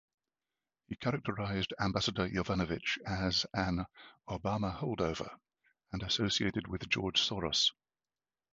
He characterized Ambassador Yovanovitch as an "Obama holdover" and associated with George Soros.